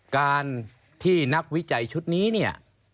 การที่นักวิจัยชุดนี้เนี่ย